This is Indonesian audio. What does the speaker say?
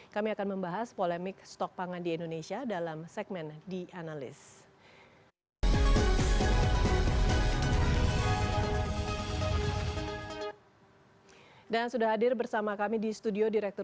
kami akan membahas polemik stok pangan di indonesia dalam segmen the analyst